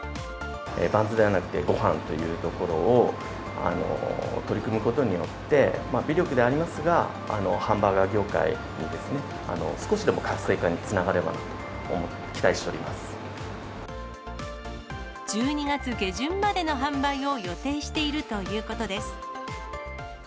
バンズではなくて、ごはんというところを取り組むことによって、微力ではありますが、ハンバーガー業界に少しでも活性化につながればと思って、期待し１２月下旬までの販売を予定しているということです。